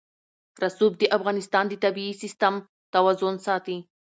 رسوب د افغانستان د طبعي سیسټم توازن ساتي.